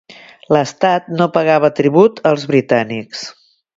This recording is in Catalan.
L'estat no pagava tribut als britànics.